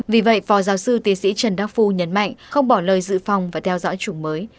vì vậy phó giáo sư tiến sĩ trần đắc phu nhấn mạnh không bỏ lời dự phòng và theo dõi chủng mới